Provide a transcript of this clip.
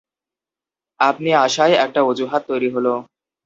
আপনি আসায় একটা অজুহাত তৈরি হল।